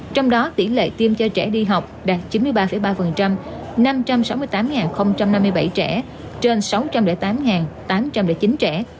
trong đó tỷ lệ tiêm cho trẻ đi học đạt chín mươi ba ba năm trăm sáu mươi tám năm mươi bảy trẻ trên sáu trăm linh tám tám trăm linh chín trẻ